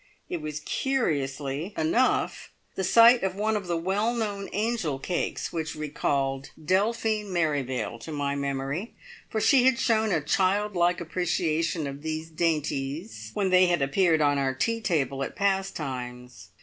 It was curiously enough the sight of one of the well known angel cakes which recalled Delphine Merrivale to my memory, for she had shown a child like appreciation of these dainties when they had appeared on our tea table at "Pastimes".